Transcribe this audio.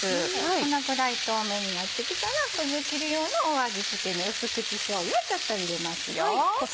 このくらい透明になってきたらくずきり用の味付けに淡口しょうゆをちょっと入れます。